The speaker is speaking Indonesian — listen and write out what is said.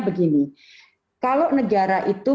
begini kalau negara itu